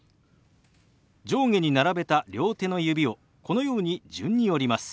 上下に並べた両手の指をこのように順に折ります。